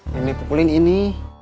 yang dipukulin ini